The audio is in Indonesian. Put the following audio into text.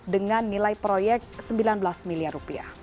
dengan nilai proyek rp sembilan belas miliar rupiah